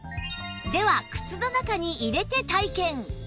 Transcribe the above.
では靴の中に入れて体験！